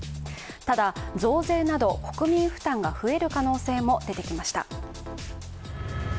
ただ増税など国民負担が増える可能性が出てきました。